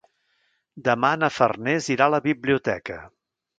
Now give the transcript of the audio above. Demà na Farners irà a la biblioteca.